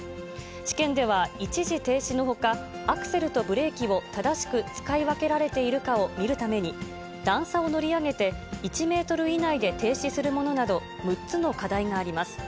試験では、一時停止のほか、アクセルとブレーキを正しく使い分けられているかを見るために、段差を乗り上げて、１メートル以内で停止するものなど、６つの課題があります。